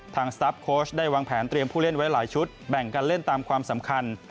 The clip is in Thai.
สตาร์ฟโค้ชได้วางแผนเตรียมผู้เล่นไว้หลายชุดแบ่งกันเล่นตามความสำคัญ